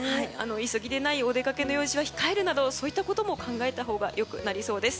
急ぎでないお出かけの用事は控えるなど控えるなどそういったことも考えたほうがよくなりそうです。